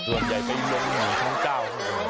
ส่วนใหญ่ไปลงที่ชั้นเจ้า